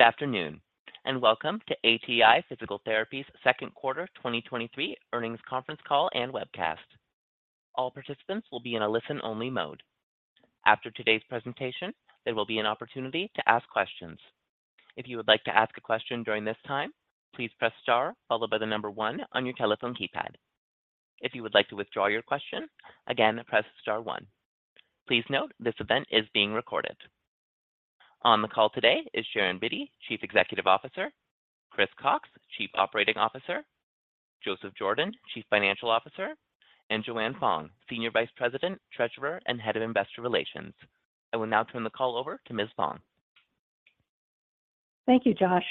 Good afternoon, and welcome to ATI Physical Therapy's second quarter 2023 earnings conference call and webcast. All participants will be in a listen-only mode. After today's presentation, there will be an opportunity to ask questions. If you would like to ask a question during this time, please press Star, followed by 1 on your telephone keypad. If you would like to withdraw your question, again, press Star one. Please note, this event is being recorded. On the call today is Sharon Vitti, Chief Executive Officer, Chris Cox, Chief Operating Officer, Joseph Jordan, Chief Financial Officer, and Joanne Fong, Senior Vice President, Treasurer, and Head of Investor Relations. I will now turn the call over to Ms. Fong. Thank you, Josh.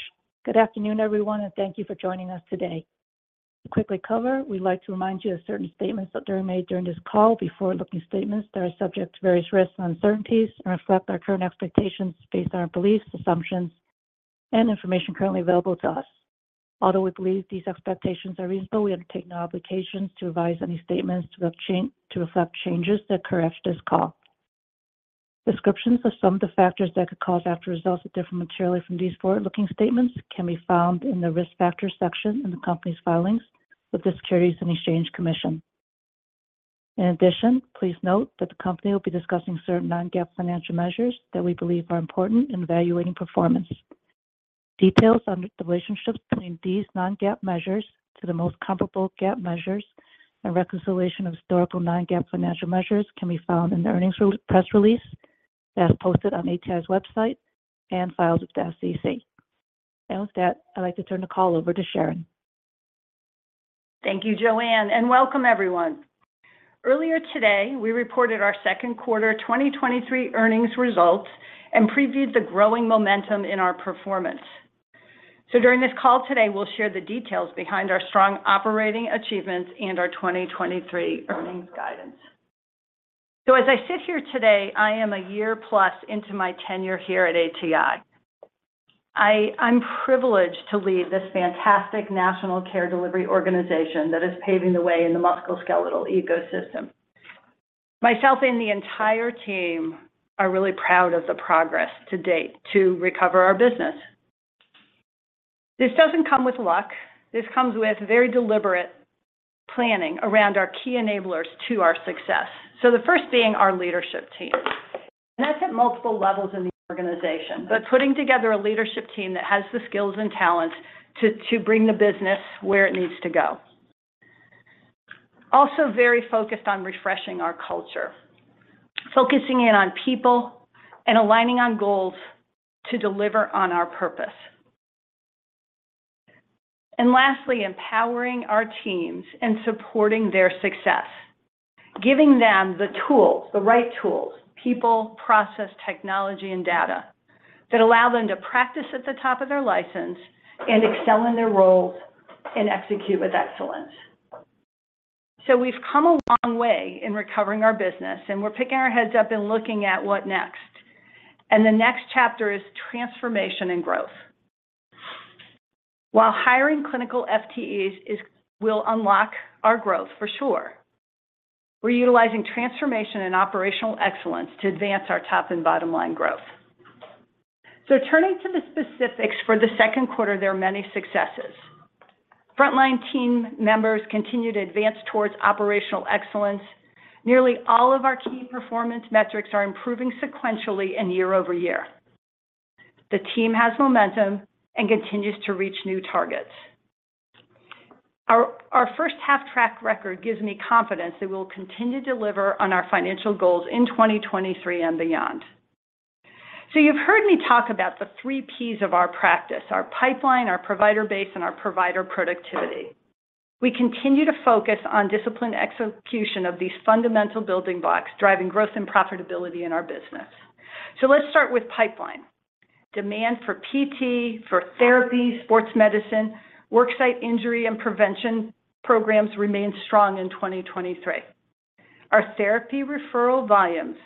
Good afternoon, everyone, and thank you for joining us today. To quickly cover, we'd like to remind you of certain statements that made during this call forward-looking statements that are subject to various risks and uncertainties and reflect our current expectations based on our beliefs, assumptions, and information currently available to us. Although we believe these expectations are reasonable, we undertake no obligations to revise any statements to reflect changes that occur after this call. Descriptions of some of the factors that could cause actual results to differ materially from these forward-looking statements can be found in the Risk Factors section in the company's filings with the Securities and Exchange Commission. In addition, please note that the company will be discussing certain non-GAAP financial measures that we believe are important in evaluating performance. Details on the relationships between these non-GAAP measures to the most comparable GAAP measures and reconciliation of historical non-GAAP financial measures can be found in the earnings press release as posted on ATI's website and files with the SEC. With that, I'd like to turn the call over to Sharon. Thank you, Joanne, and welcome everyone. Earlier today, we reported our second quarter 2023 earnings results and previewed the growing momentum in our performance. During this call today, we'll share the details behind our strong operating achievements and our 2023 earnings guidance. As I sit here today, I am a year plus into my tenure here at ATI. I'm privileged to lead this fantastic national care delivery organization that is paving the way in the musculoskeletal ecosystem. Myself and the entire team are really proud of the progress to date to recover our business. This doesn't come with luck. This comes with very deliberate planning around our key enablers to our success. The first being our leadership team, and that's at multiple levels in the organization, but putting together a leadership team that has the skills and talents to bring the business where it needs to go. Also very focused on refreshing our culture, focusing in on people, and aligning on goals to deliver on our purpose. Lastly, empowering our teams and supporting their success, giving them the tools, the right tools, people, process, technology, and data, that allow them to practice at the top of their license and excel in their roles and execute with excellence. We've come a long way in recovering our business, and we're picking our heads up and looking at what next, and the next chapter is transformation and growth. While hiring clinical FTEs will unlock our growth for sure, we're utilizing transformation and operational excellence to advance our top and bottom line growth. Turning to the specifics for the second quarter, there are many successes. Frontline team members continue to advance towards operational excellence. Nearly all of our key performance metrics are improving sequentially and year-over-year. The team has momentum and continues to reach new targets. Our first half track record gives me confidence that we'll continue to deliver on our financial goals in 2023 and beyond. You've heard me talk about the three Ps of our practice: our pipeline, our provider base, and our provider productivity. We continue to focus on disciplined execution of these fundamental building blocks, driving growth and profitability in our business. Let's start with pipeline. Demand for PT, for therapy, sports medicine, worksite injury and prevention programs remained strong in 2023. Our therapy referral volumes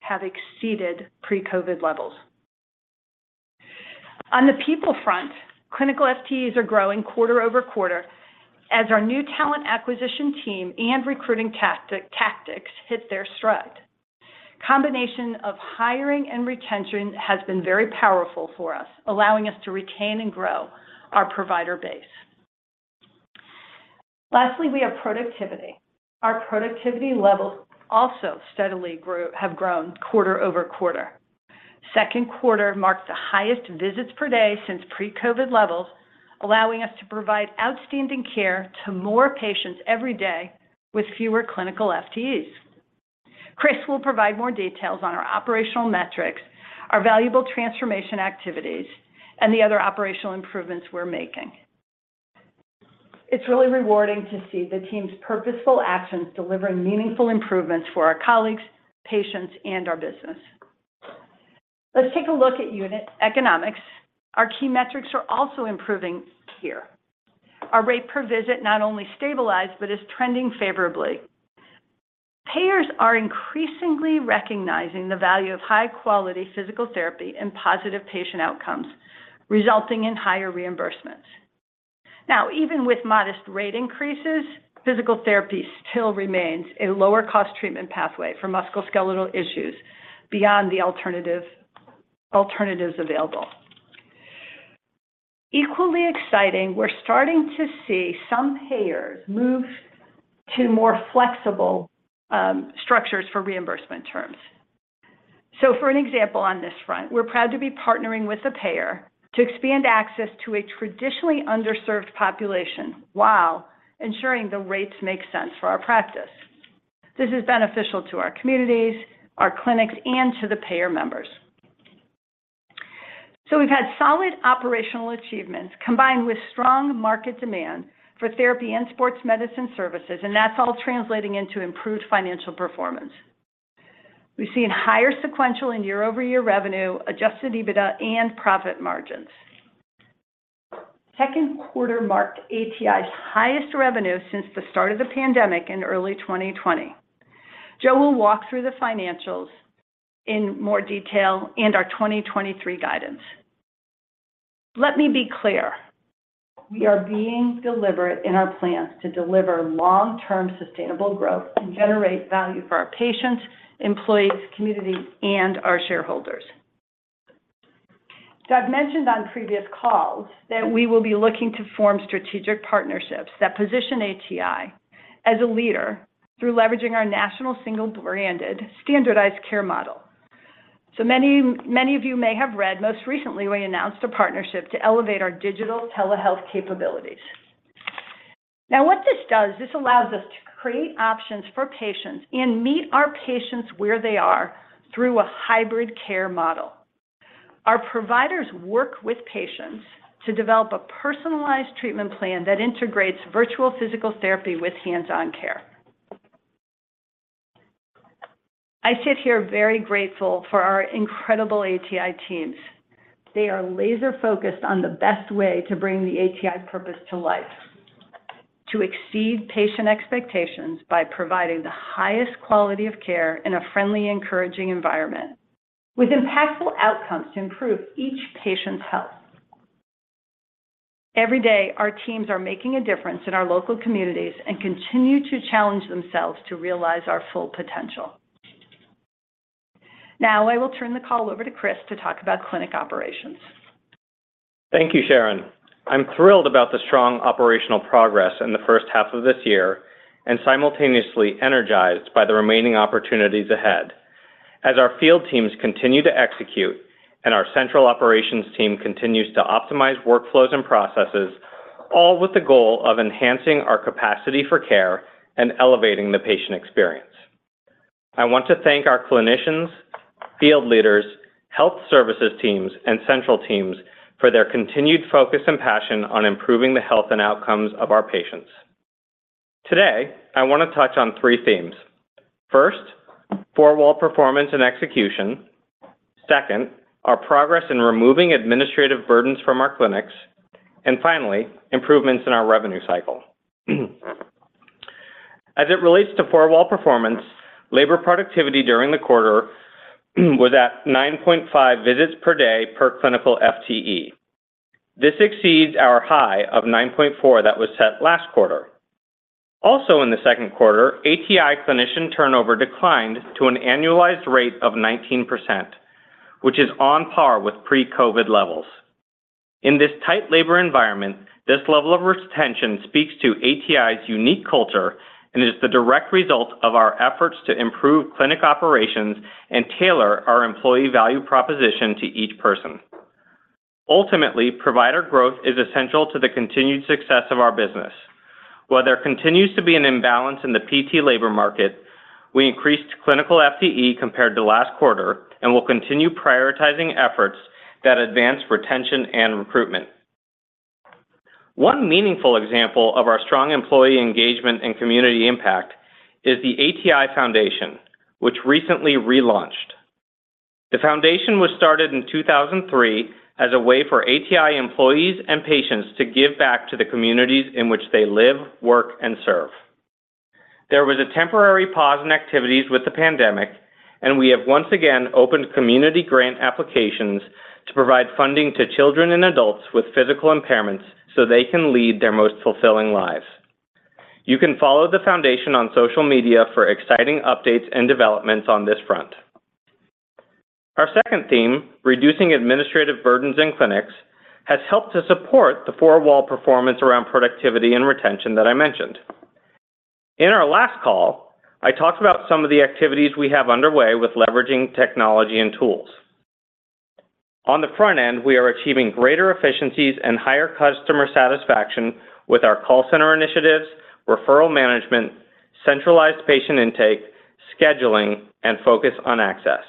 have exceeded pre-COVID levels. On the people front, clinical FTEs are growing quarter-over-quarter as our new talent acquisition team and recruiting tactics hit their stride. Combination of hiring and retention has been very powerful for us, allowing us to retain and grow our provider base. Lastly, we have productivity. Our productivity levels also steadily grew, have grown quarter-over-quarter. Second quarter marks the highest visits per day since pre-COVID levels, allowing us to provide outstanding care to more patients every day with fewer clinical FTEs. Chris will provide more details on our operational metrics, our valuable transformation activities, and the other operational improvements we're making. It's really rewarding to see the team's purposeful actions delivering meaningful improvements for our colleagues, patients, and our business. Let's take a look at unit economics. Our key metrics are also improving here. Our rate per visit not only stabilized, but is trending favorably. Payers are increasingly recognizing the value of high quality physical therapy and positive patient outcomes, resulting in higher reimbursements. Even with modest rate increases, physical therapy still remains a lower cost treatment pathway for musculoskeletal issues beyond the alternative, alternatives available. Equally exciting, we're starting to see some payers move to more flexible structures for reimbursement terms. For an example on this front, we're proud to be partnering with the payer to expand access to a traditionally underserved population while ensuring the rates make sense for our practice. This is beneficial to our communities, our clinics, and to the payer members. We've had solid operational achievements, combined with strong market demand for therapy and sports medicine services, and that's all translating into improved financial performance. We've seen higher sequential and year-over-year revenue, adjusted EBITDA, and profit margins. Second quarter marked ATI's highest revenue since the start of the pandemic in early 2020. Joe will walk through the financials in more detail and our 2023 guidance. Let me be clear, we are being deliberate in our plans to deliver long-term sustainable growth and generate value for our patients, employees, community, and our shareholders. I've mentioned on previous calls that we will be looking to form strategic partnerships that position ATI as a leader through leveraging our national single-branded, standardized care model. Many, many of you may have read, most recently, we announced a partnership to elevate our digital telehealth capabilities. Now, what this does, this allows us to create options for patients and meet our patients where they are through a hybrid care model. Our providers work with patients to develop a personalized treatment plan that integrates virtual physical therapy with hands-on care. I sit here very grateful for our incredible ATI teams. They are laser-focused on the best way to bring the ATI purpose to life: to exceed patient expectations by providing the highest quality of care in a friendly, encouraging environment, with impactful outcomes to improve each patient's health. Every day, our teams are making a difference in our local communities and continue to challenge themselves to realize our full potential. Now, I will turn the call over to Chris to talk about clinic operations. Thank you, Sharon. I'm thrilled about the strong operational progress in the first half of this year and simultaneously energized by the remaining opportunities ahead. As our field teams continue to execute and our central operations team continues to optimize workflows and processes, all with the goal of enhancing our capacity for care and elevating the patient experience. I want to thank our clinicians, field leaders, health services teams, and central teams for their continued focus and passion on improving the health and outcomes of our patients. Today, I want to touch on three themes. First, four-wall performance and execution. Second, our progress in removing administrative burdens from our clinics. Finally, improvements in our revenue cycle. As it relates to four-wall performance, labor productivity during the quarter was at 9.5 visits per day per clinical FTE. This exceeds our high of 9.4 that was set last quarter. Also, in the second quarter, ATI clinician turnover declined to an annualized rate of 19%, which is on par with pre-COVID levels. In this tight labor environment, this level of retention speaks to ATI's unique culture and is the direct result of our efforts to improve clinic operations and tailor our employee value proposition to each person. Ultimately, provider growth is essential to the continued success of our business. While there continues to be an imbalance in the PT labor market, we increased clinical FTE compared to last quarter and will continue prioritizing efforts that advance retention and recruitment. One meaningful example of our strong employee engagement and community impact is the ATI Foundation, which recently relaunched. The foundation was started in 2003 as a way for ATI employees and patients to give back to the communities in which they live, work, and serve. There was a temporary pause in activities with the pandemic, we have once again opened community grant applications to provide funding to children and adults with physical impairments so they can lead their most fulfilling lives. You can follow the foundation on social media for exciting updates and developments on this front. Our second theme, reducing administrative burdens in clinics, has helped to support the four-wall performance around productivity and retention that I mentioned. In our last call, I talked about some of the activities we have underway with leveraging technology and tools. On the front end, we are achieving greater efficiencies and higher customer satisfaction with our call center initiatives, referral management, centralized patient intake, scheduling, and focus on access.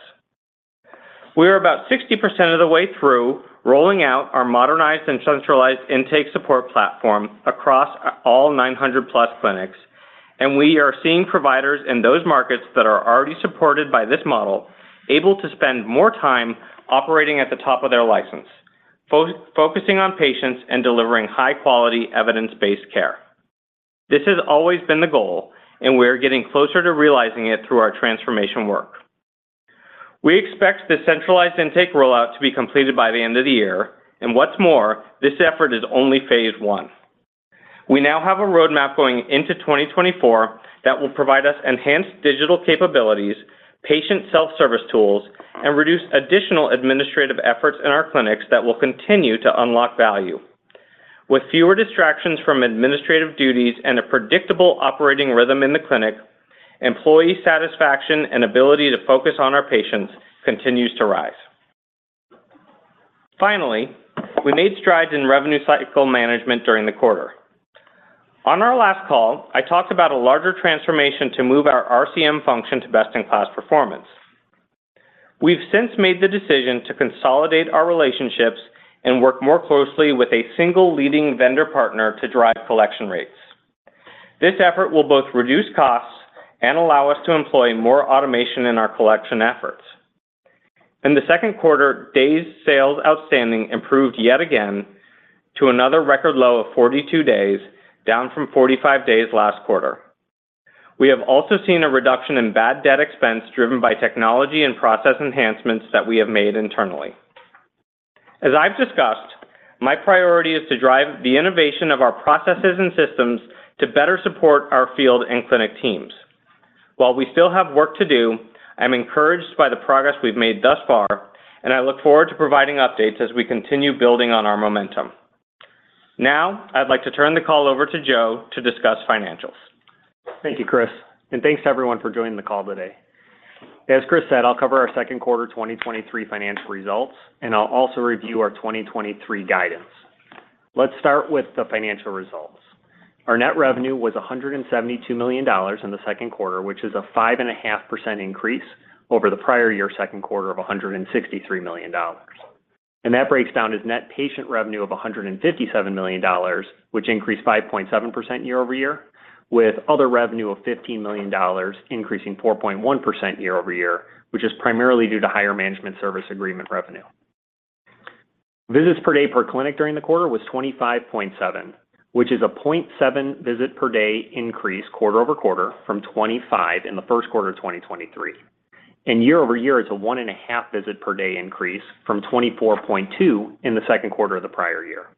We are about 60% of the way through rolling out our modernized and centralized intake support platform across all 900+ clinics. We are seeing providers in those markets that are already supported by this model able to spend more time operating at the top of their license, focusing on patients and delivering high-quality, evidence-based care. This has always been the goal, and we are getting closer to realizing it through our transformation work. We expect the centralized intake rollout to be completed by the end of the year. What's more, this effort is only phase one. We now have a roadmap going into 2024 that will provide us enhanced digital capabilities, patient self-service tools, and reduce additional administrative efforts in our clinics that will continue to unlock value. With fewer distractions from administrative duties and a predictable operating rhythm in the clinic, employee satisfaction and ability to focus on our patients continues to rise. Finally, we made strides in revenue cycle management during the quarter. On our last call, I talked about a larger transformation to move our RCM function to best-in-class performance. We've since made the decision to consolidate our relationships and work more closely with a single leading vendor partner to drive collection rates. This effort will both reduce costs and allow us to employ more automation in our collection efforts. In the second quarter, days sales outstanding improved yet again to another record low of 42 days, down from 45 days last quarter. We have also seen a reduction in bad debt expense, driven by technology and process enhancements that we have made internally. As I've discussed, my priority is to drive the innovation of our processes and systems to better support our field and clinic teams. While we still have work to do, I'm encouraged by the progress we've made thus far, and I look forward to providing updates as we continue building on our momentum. Now, I'd like to turn the call over to Joe to discuss financials. Thank you, Chris, and thanks to everyone for joining the call today. As Chris said, I'll cover our second quarter 2023 financial results, and I'll also review our 2023 guidance. Let's start with the financial results. Our net revenue was $172 million in the second quarter, which is a 5.5% increase over the prior year second quarter of $163 million. That breaks down as net patient revenue of $157 million, which increased 5.7% year-over-year, with other revenue of $15 million, increasing 4.1% year-over-year, which is primarily due to higher management service agreement revenue. Visits per day per clinic during the quarter was 25.7, which is a 0.7 visit per day increase quarter-over-quarter from 25 in the first quarter of 2023. Year-over-year, it's a 1.5 visit per day increase from 24.2 in the second quarter of the prior year.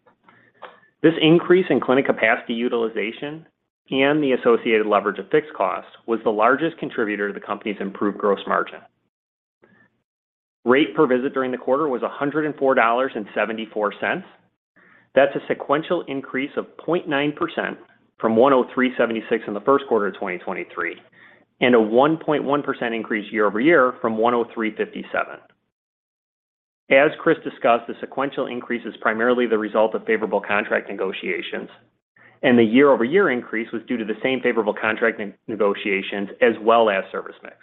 This increase in clinic capacity utilization and the associated leverage of fixed costs was the largest contributor to the company's improved gross margin. Rate per visit during the quarter was $104.74. That's a sequential increase of 0.9% from $103.76 in the first quarter of 2023, and a 1.1% increase year-over-year from $103.57. As Chris discussed, the sequential increase is primarily the result of favorable contract negotiations, and the year-over-year increase was due to the same favorable contract negotiations as well as service mix.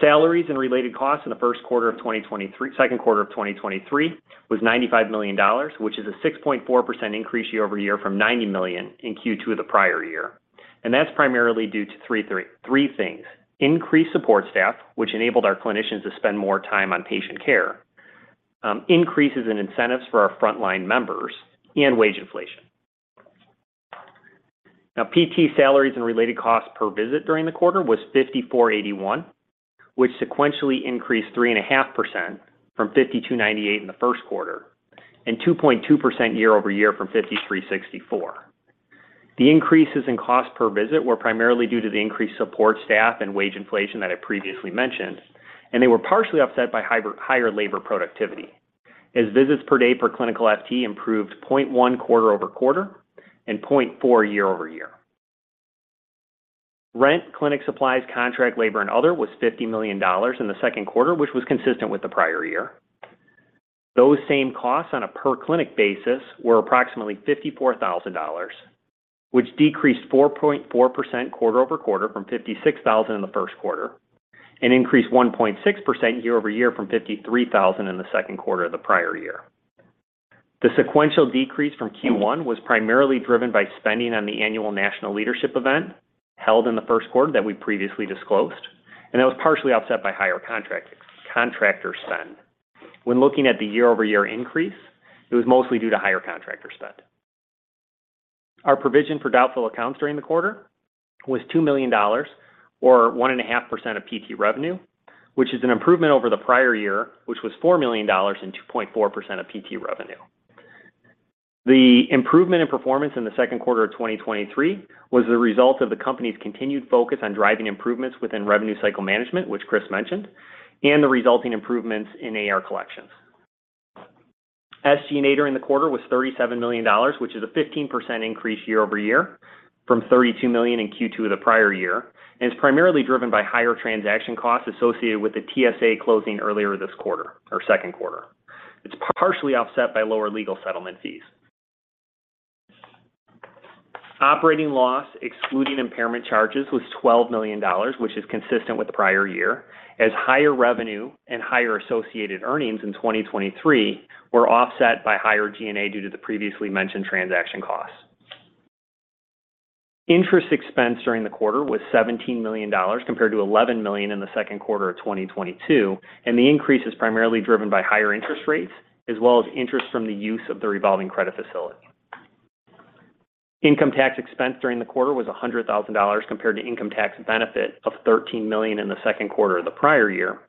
Salaries and related costs in the second quarter of 2023 was $95 million, which is a 6.4% increase year-over-year from $90 million in Q2 of the prior year. That's primarily due to three things: increased support staff, which enabled our clinicians to spend more time on patient care, increases in incentives for our frontline members, and wage inflation. Now, PT salaries and related costs per visit during the quarter was $54.81, which sequentially increased 3.5% from $52.98 in the first quarter, and 2.2% year-over-year from $53.64. The increases in cost per visit were primarily due to the increased support staff and wage inflation that I previously mentioned, and they were partially offset by higher, higher labor productivity, as visits per day per clinical FT improved 0.1 quarter-over-quarter and 0.4 year-over-year. Rent, clinic supplies, contract labor, and other was $50 million in the second quarter, which was consistent with the prior year. Those same costs on a per clinic basis were approximately $54,000, which decreased 4.4% quarter-over-quarter from $56,000 in the first quarter, and increased 1.6% year-over-year from $53,000 in the second quarter of the prior year. The sequential decrease from Q1 was primarily driven by spending on the annual National Leadership Event, held in the first quarter that we previously disclosed, and that was partially offset by higher contractor spend. When looking at the year-over-year increase, it was mostly due to higher contractor spend. Our provision for doubtful accounts during the quarter was $2 million or 1.5% of PT revenue, which is an improvement over the prior year, which was $4 million and 2.4% of PT revenue. The improvement in performance in the second quarter of 2023 was the result of the company's continued focus on driving improvements within revenue cycle management, which Chris mentioned, and the resulting improvements in AR collections. SG&A during the quarter was $37 million, which is a 15% increase year-over-year from $32 million in Q2 of the prior year. It's primarily driven by higher transaction costs associated with the TSA closing earlier this quarter or second quarter. It's partially offset by lower legal settlement fees. Operating loss, excluding impairment charges, was $12 million, which is consistent with the prior year, as higher revenue and higher associated earnings in 2023 were offset by higher G&A due to the previously mentioned transaction costs. Interest expense during the quarter was $17 million, compared to $11 million in the second quarter of 2022. The increase is primarily driven by higher interest rates, as well as interest from the use of the revolving credit facility. Income tax expense during the quarter was $100,000, compared to income tax benefit of $13 million in the second quarter of the prior year.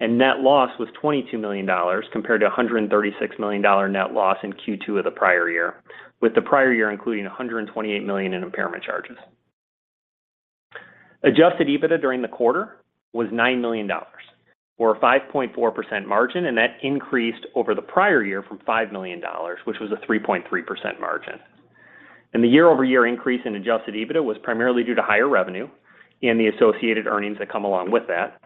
Net loss was $22 million, compared to a $136 million net loss in Q2 of the prior year, with the prior year including $128 million in impairment charges. adjusted EBITDA during the quarter was $9 million, or a 5.4% margin, and that increased over the prior year from $5 million, which was a 3.3% margin. The year-over-year increase in adjusted EBITDA was primarily due to higher revenue and the associated earnings that come along with that,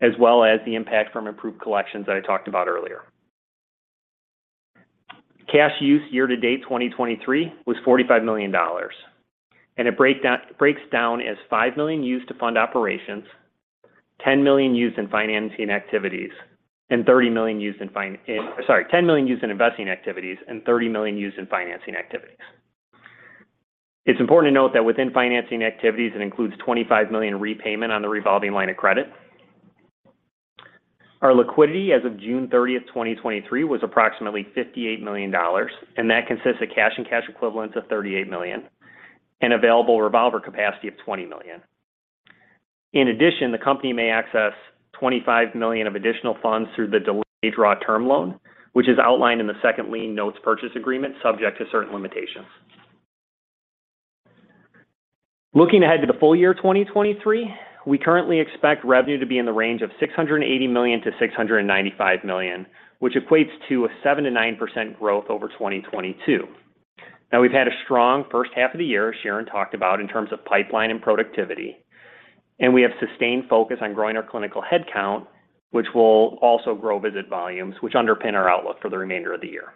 as well as the impact from improved collections that I talked about earlier. Cash use year to date, 2023, was $45 million, and it breaks down as $5 million used to fund operations, $10 million used in financing activities, and $30 million used in sorry, $10 million used in investing activities and $30 million used in financing activities. It's important to note that within financing activities, it includes $25 million repayment on the revolving line of credit. Our liquidity as of June 30, 2023, was approximately $58 million, and that consists of cash and cash equivalents of $38 million, and available revolver capacity of $20 million. In addition, the company may access $25 million of additional funds through the delayed draw term loan, which is outlined in the Second Lien Note Purchase Agreement, subject to certain limitations. Looking ahead to the full year, 2023, we currently expect revenue to be in the range of $680 million-$695 million, which equates to a 7%-9% growth over 2022. We've had a strong first half of the year, Sharon talked about, in terms of pipeline and productivity, and we have sustained focus on growing our clinical headcount, which will also grow visit volumes, which underpin our outlook for the remainder of the year.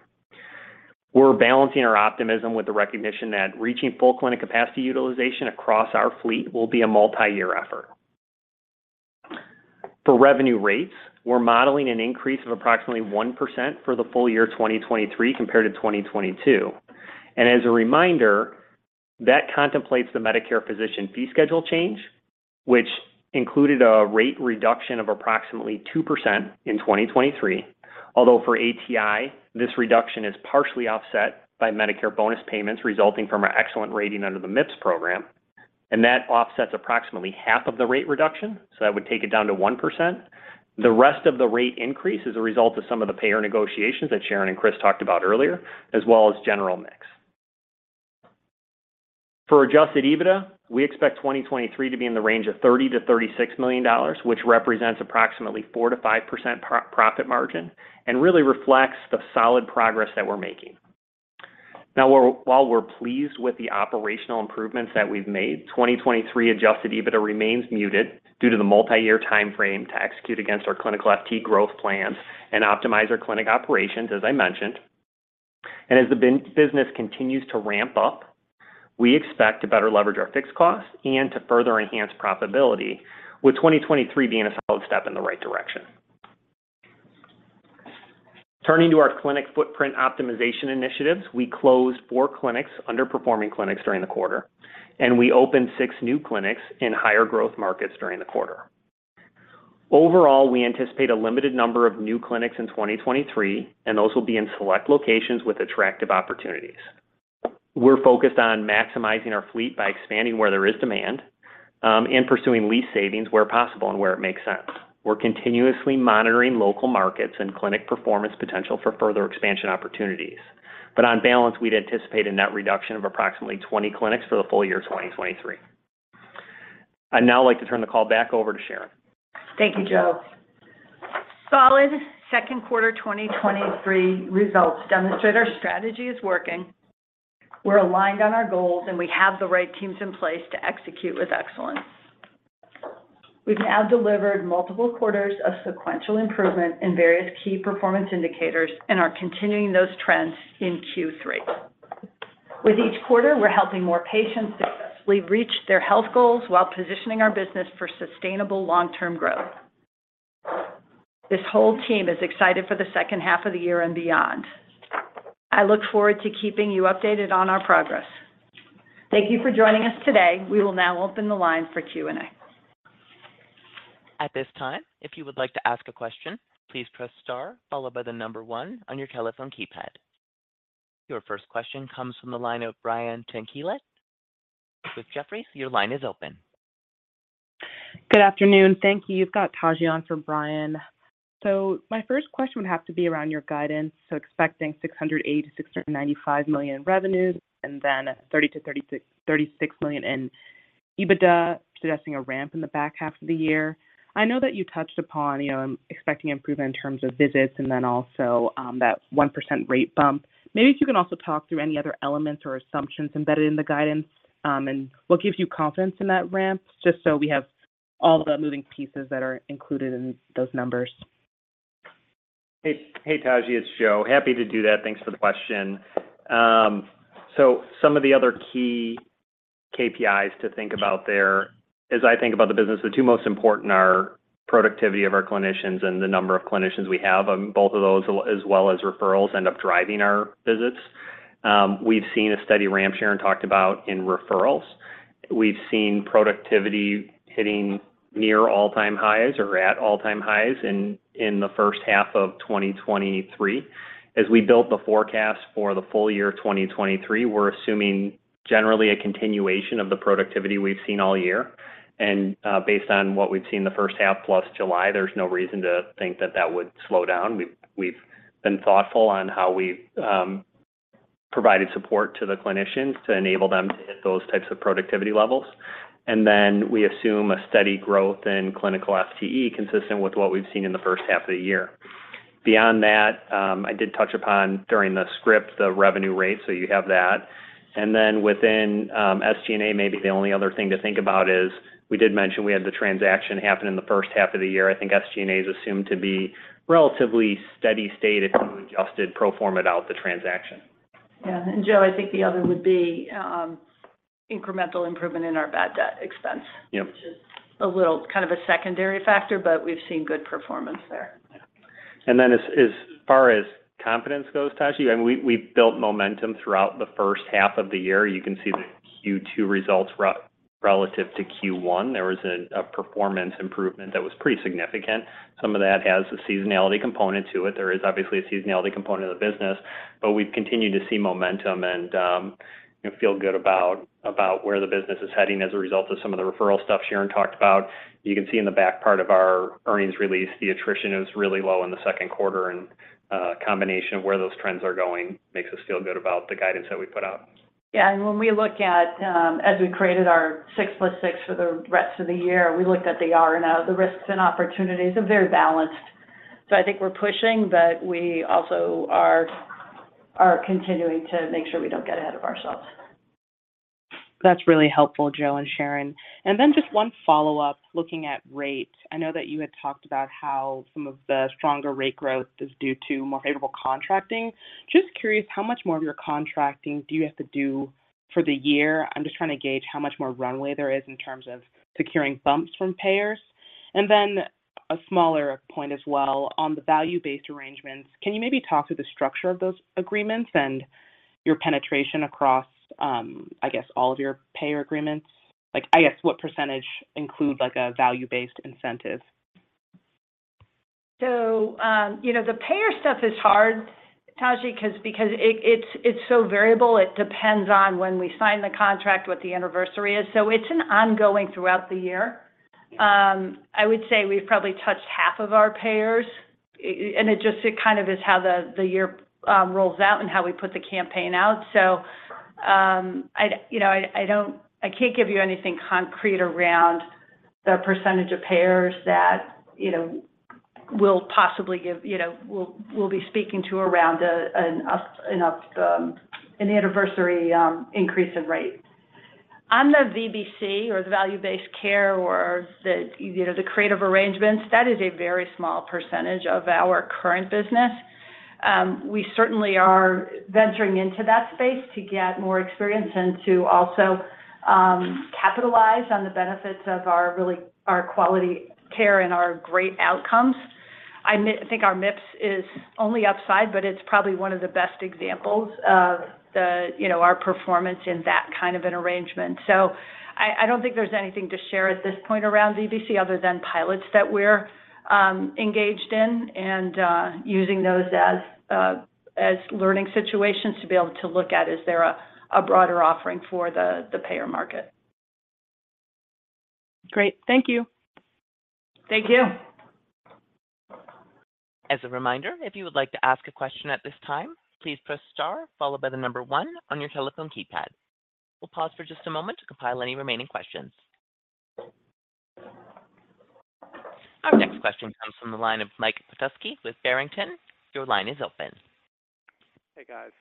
We're balancing our optimism with the recognition that reaching full clinic capacity utilization across our fleet will be a multi-year effort. For revenue rates, we're modeling an increase of approximately 1% for the full year, 2023, compared to 2022. As a reminder, that contemplates the Medicare Physician Fee Schedule change, which included a rate reduction of approximately 2% in 2023. Although for ATI, this reduction is partially offset by Medicare bonus payments, resulting from our excellent rating under the MIPS program, and that offsets approximately half of the rate reduction, so that would take it down to 1%. The rest of the rate increase is a result of some of the payer negotiations that Sharon and Chris talked about earlier, as well as general mix. For adjusted EBITDA, we expect 2023 to be in the range of $30 million-$36 million, which represents approximately 4%-5% profit margin and really reflects the solid progress that we're making. Now, we're, while we're pleased with the operational improvements that we've made, 2023 adjusted EBITDA remains muted due to the multi-year timeframe to execute against our clinical FTE growth plans and optimize our clinic operations, as I mentioned. As the business continues to ramp up, we expect to better leverage our fixed costs and to further enhance profitability, with 2023 being a solid step in the right direction. Turning to our clinic footprint optimization initiatives, we closed four clinics, underperforming clinics, during the quarter, and we opened six new clinics in higher growth markets during the quarter. Overall, we anticipate a limited number of new clinics in 2023, and those will be in select locations with attractive opportunities. We're focused on maximizing our fleet by expanding where there is demand and pursuing lease savings where possible and where it makes sense. We're continuously monitoring local markets and clinic performance potential for further expansion opportunities, but on balance, we'd anticipate a net reduction of approximately 20 clinics for the full year, 2023. I'd now like to turn the call back over to Sharon. Thank you, Joe. Solid Second quarter 2023 results demonstrate our strategy is working, we're aligned on our goals, and we have the right teams in place to execute with excellence. We've now delivered multiple quarters of sequential improvement in various key performance indicators and are continuing those trends in Q3. With each quarter, we're helping more patients successfully reach their health goals while positioning our business for sustainable long-term growth. This whole team is excited for the second half of the year and beyond. I look forward to keeping you updated on our progress. Thank you for joining us today. We will now open the line for Q&A. At this time, if you would like to ask a question, please press star followed by 1 on your telephone keypad. Your first question comes from the line of Brian Tanquilut with Jefferies. Your line is open. Good afternoon. Thank you. You've got Taji on for Brian. My first question would have to be around your guidance. Expecting $680 million-$695 million in revenues, and then $30 million-$36 million in EBITDA, suggesting a ramp in the back half of the year. I know that you touched upon, you know, expecting improvement in terms of visits and then also, that 1% rate bump. Maybe if you can also talk through any other elements or assumptions embedded in the guidance, and what gives you confidence in that ramp, just so we have all the moving pieces that are included in those numbers. Hey, hey, Taji, it's Joe. Happy to do that. Thanks for the question. Some of the other key KPIs to think about there, as I think about the business, the two most important are productivity of our clinicians and the number of clinicians we have. Both of those, as well as referrals, end up driving our visits. We've seen a steady ramp Sharon talked about in referrals. We've seen productivity hitting near all-time highs or at all-time highs in the first half of 2023. As we built the forecast for the full year 2023, we're assuming generally a continuation of the productivity we've seen all year. Based on what we've seen in the first half, plus July, there's no reason to think that that would slow down. We've, we've been thoughtful on how we've, provided support to the clinicians to enable them to hit those types of productivity levels. We assume a steady growth in clinical FTE, consistent with what we've seen in the first half of the year. Beyond that, I did touch upon, during the script, the revenue rate, so you have that. Within SG&A, maybe the only other thing to think about is, we did mention we had the transaction happen in the first half of the year. I think SG&A is assumed to be relatively steady state if you adjusted pro forma without the transaction. Yeah. Joseph, I think the other would be, incremental improvement in our bad debt expense. Yep Which is a little kind of a secondary factor, but we've seen good performance there. Yeah. Then as, as far as confidence goes, Taji, I mean, we, we've built momentum throughout the first half of the year. You can see the Q2 results relative to Q1, there was a, a performance improvement that was pretty significant. Some of that has a seasonality component to it. There is obviously a seasonality component of the business, but we've continued to see momentum and, you know, feel good about, about where the business is heading as a result of some of the referral stuff Sharon talked about. You can see in the back part of our earnings release, the attrition is really low in the second quarter, combination of where those trends are going makes us feel good about the guidance that we put out. Yeah, and when we look at, as we created our six plus six for the rest of the year, we looked at the R&O, the risks and opportunities are very balanced. I think we're pushing, but we also are, are continuing to make sure we don't get ahead of ourselves. That's really helpful, Joe and Sharon. Then just one follow-up, looking at rates. I know that you had talked about how some of the stronger rate growth is due to more favorable contracting. Just curious, how much more of your contracting do you have to do for the year? I'm just trying to gauge how much more runway there is in terms of securing bumps from payers. Then a smaller point as well, on the value-based arrangements, can you maybe talk through the structure of those agreements and your penetration across, I guess all of your payer agreements? Like, I guess, what % include, like, a value-based incentive? You know, the payer stuff is hard, Taji, 'cause because it, it's, it's so variable. It depends on when we sign the contract, what the anniversary is, so it's an ongoing throughout the year. I would say we've probably touched half of our payers, and it just, it kind of is how the year rolls out and how we put the campaign out. I, you know, I can't give you anything concrete around the percentage of payers that, you know, we'll possibly give. You know, we'll, we'll be speaking to around a, an up, an up, an anniversary, increase in rate. On the VBC or the value-based care or the, you know, the creative arrangements, that is a very small percentage of our current business. We certainly are venturing into that space to get more experience and to also capitalize on the benefits of our really, our quality care and our great outcomes. I think our MIPS is only upside, but it's probably one of the best examples of the, you know, our performance in that kind of an arrangement. I, I don't think there's anything to share at this point around VBC, other than pilots that we're engaged in and using those as learning situations to be able to look at, is there a, a broader offering for the, the payer market? Great. Thank you. Thank you. As a reminder, if you would like to ask a question at this time, please press star followed by the number one on your telephone keypad. We'll pause for just a moment to compile any remaining questions. Our next question comes from the line of Mike Petusky with Barrington. Your line is open. Hey, guys.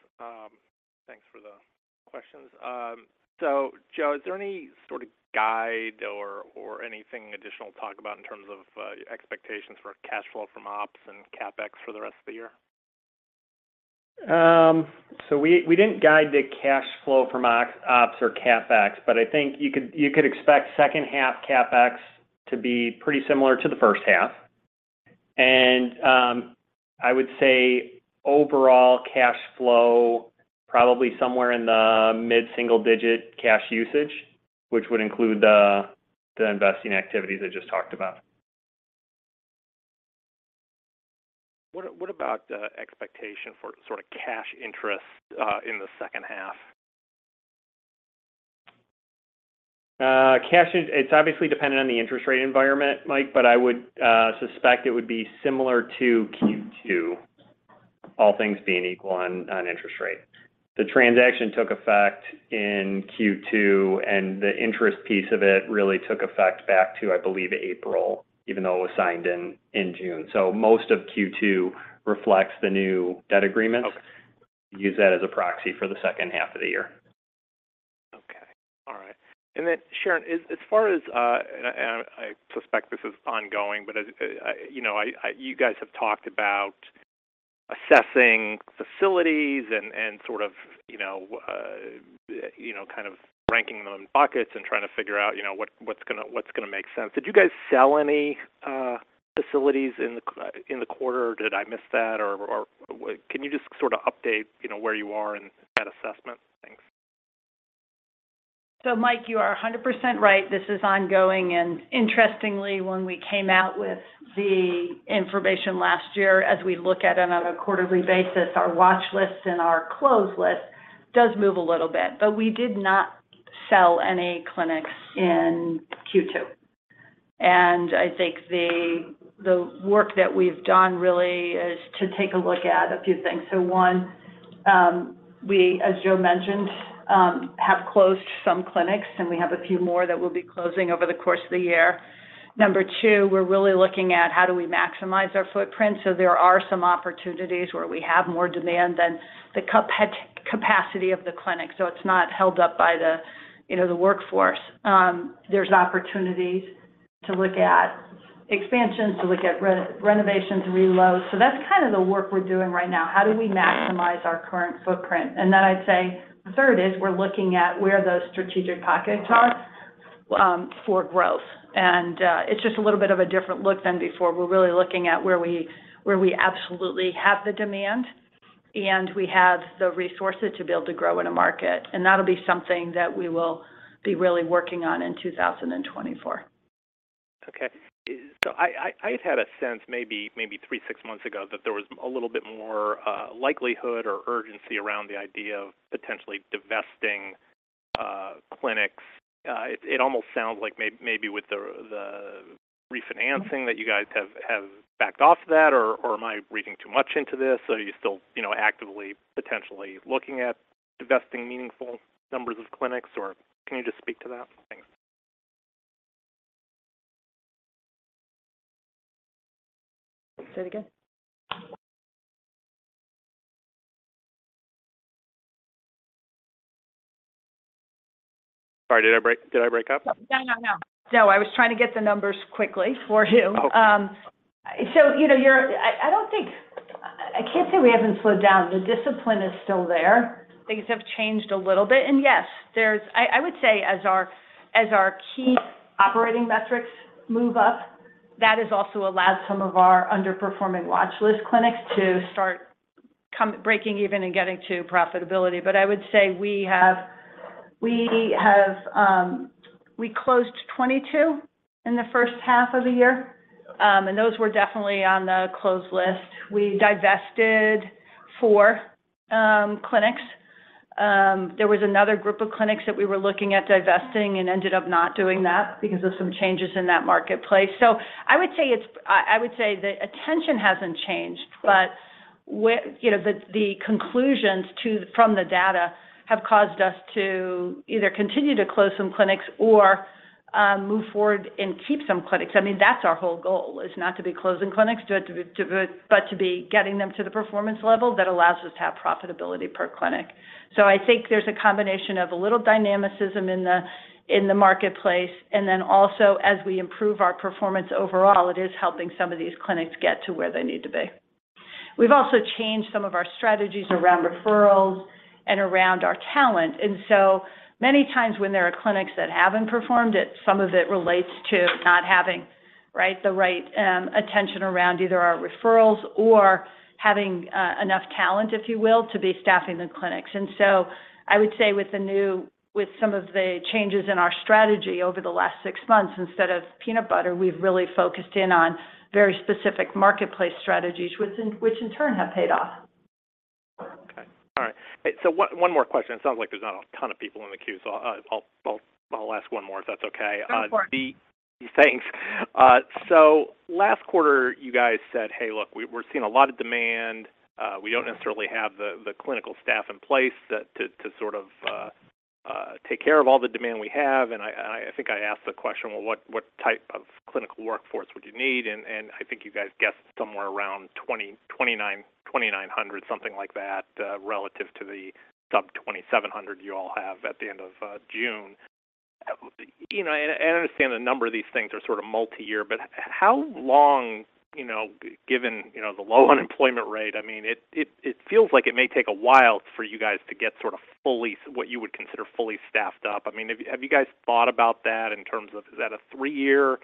Thanks for the questions. Joe, is there any sort of guide or, or anything additional to talk about in terms of expectations for cash flow from ops and CapEx for the rest of the year? We, we didn't guide the cash flow from ops or CapEx, but I think you could, you could expect second half CapEx to be pretty similar to the first half. I would say overall cash flow, probably somewhere in the mid-single-digit cash usage, which would include the, the investing activities I just talked about. What about the expectation for sort of cash interest in the second half? Cash in-- It's obviously dependent on the interest rate environment, Mike, but I would suspect it would be similar to Q2, all things being equal on, on interest rate. The transaction took effect in Q2, and the interest piece of it really took effect back to, I believe, April, even though it was signed in, in June. Most of Q2 reflects the new debt agreement. Okay. Use that as a proxy for the second half of the year. Okay. All right. Then, Sharon, as, as far as, and I, I suspect this is ongoing, but as, you know, I, I, you guys have talked about assessing facilities and, and sort of, you know, you know, kind of ranking them in buckets and trying to figure out, you know, what, what's gonna, what's gonna make sense. Did you guys sell any, facilities in the quarter, or did I miss that? Can you just sort of update, you know, where you are in that assessment? Mike, you are 100% right. This is ongoing, interestingly, when we came out with the information last year, as we look at it on a quarterly basis, our watch list and our close list does move a little bit. We did not sell any clinics in Q2. I think the work that we've done really is to take a look at a few things. One, we, as Joe mentioned, have closed some clinics, and we have a few more that we'll be closing over the course of the year. Number two, we're really looking at how do we maximize our footprint. There are some opportunities where we have more demand than the capacity of the clinic, so it's not held up by the, you know, the workforce. There's opportunities to look at expansion, to look at re- renovations, reload. That's kind of the work we're doing right now: How do we maximize our current footprint? Then I'd say the third is, we're looking at where those strategic pockets are for growth. It's just a little bit of a different look than before. We're really looking at where we, where we absolutely have the demand, and we have the resources to be able to grow in a market. That'll be something that we will be really working on in 2024. Okay. I, I, I've had a sense, maybe, maybe three, six months ago, that there was a little bit more likelihood or urgency around the idea of potentially divesting clinics. It, it almost sounds like maybe with the, the refinancing that you guys have, have backed off that, or, or am I reading too much into this? Are you still, you know, actively, potentially looking at divesting meaningful numbers of clinics, or can you just speak to that? Thanks. Say it again? Sorry, did I break, did I break up? No, no, no. No, I was trying to get the numbers quickly for you. Okay. You know, you're, I, I don't think... I, I can't say we haven't slowed down. The discipline is still there. Things have changed a little bit, and yes, there's, I, I would say as our, as our key operating metrics move up, that has also allowed some of our underperforming watch list clinics to start come, breaking even and getting to profitability. I would say we have, we have, we closed 22 in the first half of the year, and those were definitely on the closed list. We divested 4 clinics. There was another group of clinics that we were looking at divesting and ended up not doing that because of some changes in that marketplace. I would say it's, I, I would say the attention hasn't changed, but where, you know, the, the conclusions to, from the data have caused us to either continue to close some clinics or move forward and keep some clinics. I mean, that's our whole goal, is not to be closing clinics, but to be getting them to the performance level that allows us to have profitability per clinic. I think there's a combination of a little dynamicism in the, in the marketplace, and then also, as we improve our performance overall, it is helping some of these clinics get to where they need to be. We've also changed some of our strategies around referrals and around our talent, and so many times when there are clinics that haven't performed, it some of it relates to not having, right, the right attention around either our referrals or having enough talent, if you will, to be staffing the clinics. I would say with some of the changes in our strategy over the last six months, instead of peanut butter, we've really focused in on very specific marketplace strategies, which in turn have paid off. Okay. All right. One, one more question. It sounds like there's not a ton of people in the queue, so I'll ask one more, if that's okay. Go for it. The... Thanks. So last quarter, you guys said, "Hey, look, we- we're seeing a lot of demand. We don't necessarily have the, the clinical staff in place to, to, to sort of, take care of all the demand we have." I, I, I think I asked the question, "Well, what, what type of clinical workforce would you need?" I think you guys guessed somewhere around 2,900, something like that, relative to the sub 2,700 you all have at the end of June. You know, I understand a number of these things are sort of multiyear, but how long, you know, given, you know, the low unemployment rate, I mean, it, it, it feels like it may take a while for you guys to get sort of fully, what you would consider fully staffed up. I mean, have you, have you guys thought about that in terms of, is that a three-year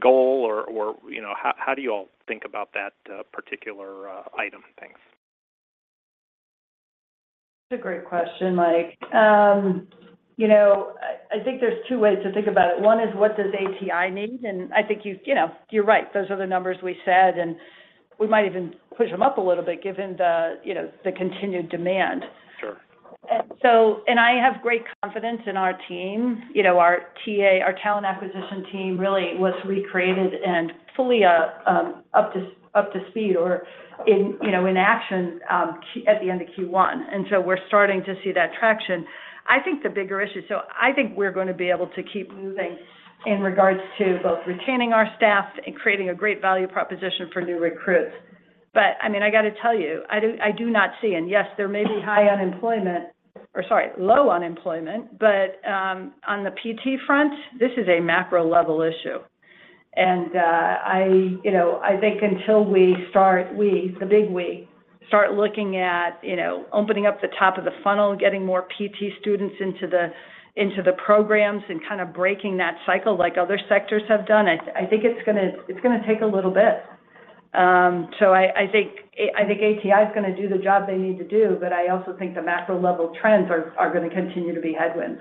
goal, or, or, you know, how, how do you all think about that, particular item? Thanks. That's a great question, Mike. you know, I, I think there's 2 ways to think about it. One is, what does ATI need? I think you, you know, you're right. Those are the numbers we said, and we might even push them up a little bit given the, you know, the continued demand. Sure. I have great confidence in our team. You know, our TA, our talent acquisition team really was recreated and fully, up to, up to speed or in, you know, in action, at the end of Q1. We're starting to see that traction. I think the bigger issue. I think we're gonna be able to keep moving in regards to both retaining our staff and creating a great value proposition for new recruits. I mean, I got to tell you, I do, I do not see, and yes, there may be high unemployment, or sorry, low unemployment, on the PT front, this is a macro-level issue. I, you know, I think until we start, we, the big we, start looking at, you know, opening up the top of the funnel, getting more PT students into the, into the programs and kind of breaking that cycle like other sectors have done, I think it's gonna, it's gonna take a little bit. So I, I think, I think ATI is gonna do the job they need to do, but I also think the macro level trends are, are gonna continue to be headwinds.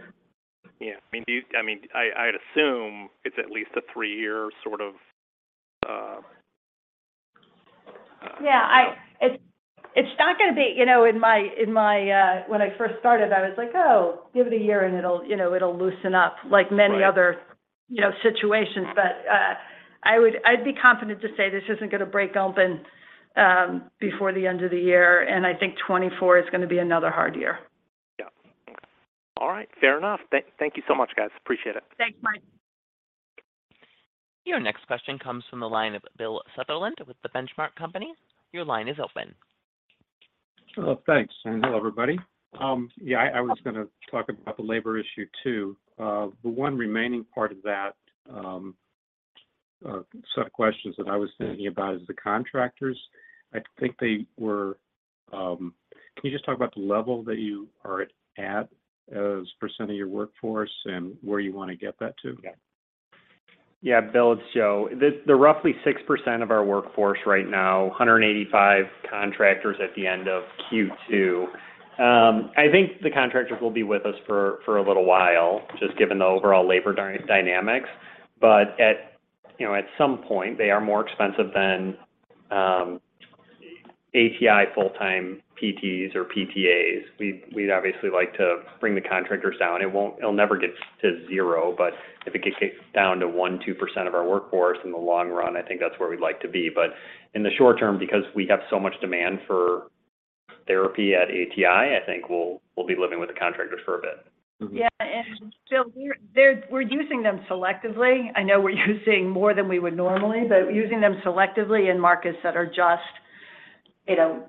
Yeah. I mean, do you-- I mean, I, I'd assume it's at least a 3-year sort of. Yeah, I, it's, it's not gonna be... You know, in my, in my, when I first started, I was like, "Oh, give it a year, and it'll, you know, it'll loosen up," like many other- Right... you know, situations. I'd be confident to say this isn't gonna break open before the end of the year, and I think 2024 is gonna be another hard year. Yeah. All right. Fair enough. Thank, thank you so much, guys. Appreciate it. Thanks, Mike. Your next question comes from the line of Bill Sutherland with The Benchmark Company. Your line is open. Hello. Thanks. Hello, everybody. Yeah, I, I was gonna talk about the labor issue, too. The one remaining part of that set of questions that I was thinking about is the contractors. I think they were. Can you just talk about the level that you are at, as % of your workforce, and where you wanna get that to? Yeah. Yeah, Bill, it's Joe. The, they're roughly 6% of our workforce right now, 185 contractors at the end of Q2. I think the contractors will be with us for, for a little while, just given the overall labor dyn-dynamics. At, you know, at some point, they are more expensive than ATI full-time PTs or PTAs. We'd, we'd obviously like to bring the contractors down. It won't-- It'll never get to 0, but if it gets, gets down to 1%-2% of our workforce in the long run, I think that's where we'd like to be. In the short term, because we have so much demand for therapy at ATI, I think we'll, we'll be living with the contractors for a bit. Yeah, Bill, we're, we're using them selectively. I know we're using more than we would normally, but using them selectively in markets that are just, you know,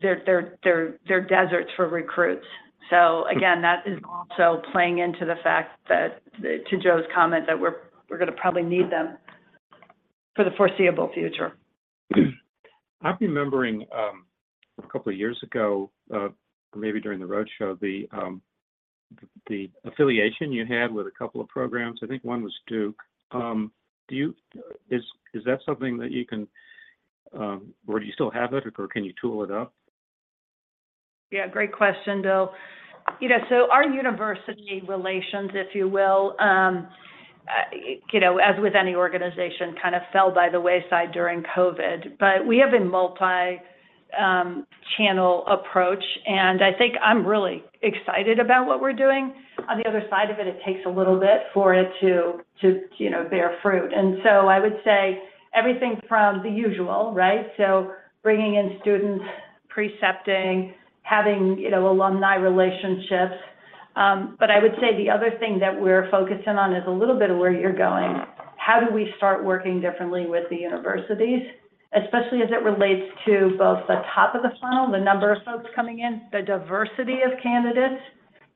deserts for recruits. Again, that is also playing into the fact that, to Joe's comment, that we're, we're gonna probably need them for the foreseeable future. I'm remembering, a couple of years ago, maybe during the roadshow, the, the affiliation you had with a couple of programs. I think one was Duke. Is that something that you can, or do you still have it, or can you tool it up? Yeah, great question, Bill. You know, our university relations, if you will, you know, as with any organization, kind of fell by the wayside during COVID. We have a multi-channel approach, and I think I'm really excited about what we're doing. On the other side of it, it takes a little bit for it to, you know, bear fruit. I would say everything from the usual, right? Bringing in students, precepting, having, you know, alumni relationships. I would say the other thing that we're focusing on is a little bit of where you're going. How do we start working differently with the universities, especially as it relates to both the top of the funnel, the number of folks coming in, the diversity of candidates,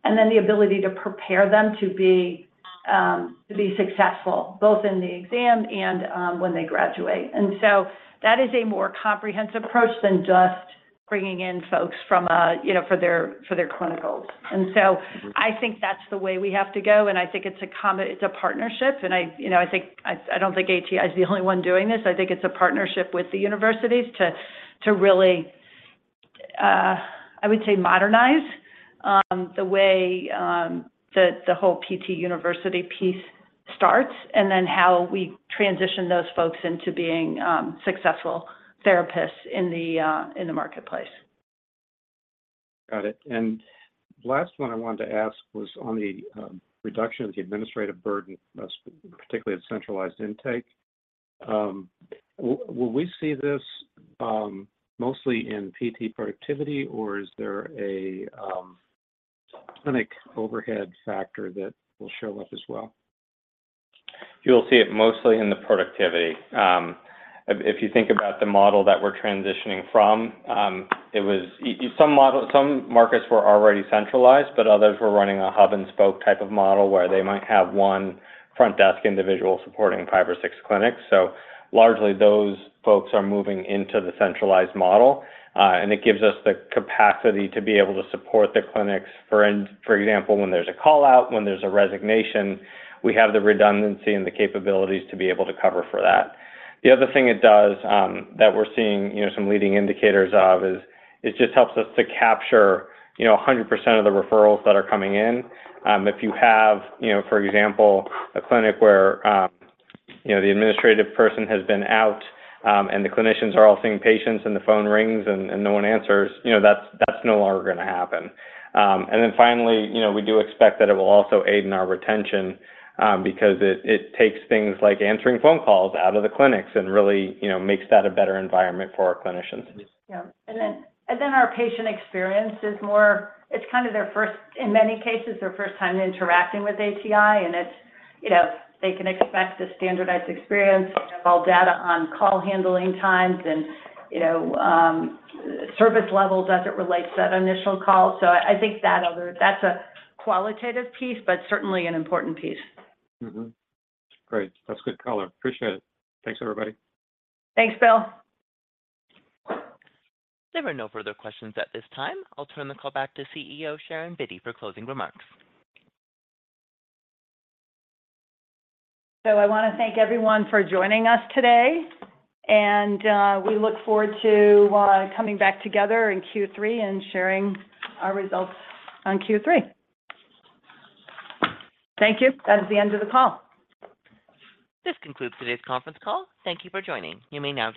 and then the ability to prepare them to be, to be successful, both in the exam and, when they graduate? So that is a more comprehensive approach than just bringing in folks from a, you know, for their, for their clinicals. Mm-hmm. I think that's the way we have to go, and I think it's a partnership. I, you know, I think, I, I don't think ATI is the only one doing this. I think it's a partnership with the universities to, to really, I would say, modernize, the way, the, the whole PT university piece starts, and then how we transition those folks into being, successful therapists in the, in the marketplace. Got it. Last one I wanted to ask was on the reduction of the administrative burden, particularly the centralized intake. Will we see this mostly in PT productivity, or is there a clinic overhead factor that will show up as well? You'll see it mostly in the productivity. If, if you think about the model that we're transitioning from, it was. Some model, some markets were already centralized, but others were running a hub-and-spoke type of model, where they might have one front desk individual supporting five or six clinics. Largely, those folks are moving into the centralized model, and it gives us the capacity to be able to support the clinics. For example, when there's a call-out, when there's a resignation, we have the redundancy and the capabilities to be able to cover for that. The other thing it does, that we're seeing, you know, some leading indicators of is, it just helps us to capture, you know, 100% of the referrals that are coming in. If you have, you know, for example, a clinic where, you know, the administrative person has been out, and the clinicians are all seeing patients, and the phone rings and, and no one answers, you know, that's, that's no longer gonna happen. Then finally, you know, we do expect that it will also aid in our retention, because it, it takes things like answering phone calls out of the clinics and really, you know, makes that a better environment for our clinicians. Yeah. Our patient experience is more. It's kind of their first, in many cases, their first time interacting with ATI, and it's, you know, they can expect a standardized experience. We have all data on call handling times and, you know, service levels as it relates to that initial call. I, I think that's a qualitative piece, but certainly an important piece. Mm-hmm. Great. That's good color. Appreciate it. Thanks, everybody. Thanks, Bill. There are no further questions at this time. I'll turn the call back to CEO, Sharon Vitti, for closing remarks. I wanna thank everyone for joining us today, and we look forward to coming back together in Q3 and sharing our results on Q3. Thank you. That is the end of the call. This concludes today's conference call. Thank you for joining. You may now disconnect.